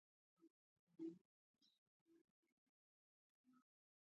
دا ايت د ژوند په ټولو چارو پورې تعلق نيسي.